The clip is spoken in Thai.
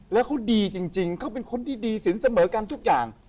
แล้วเขาดีจริงเขาเป็นคนที่ดีสินเสมอกันทุกอย่าง